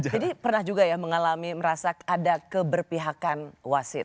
jadi pernah juga ya mengalami merasa ada keberpihakan wasit